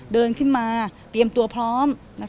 เดินขึ้นมาเตรียมตัวพร้อม